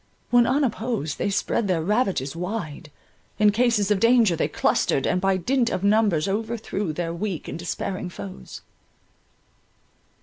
When unopposed they spread their ravages wide; in cases of danger they clustered, and by dint of numbers overthrew their weak and despairing foes.